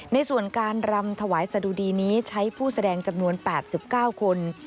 ในส่วนการรำถวายสะดุดีนี้ใช้ผู้แสดงจำนวน๘๙คน